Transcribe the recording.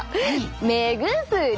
目薬！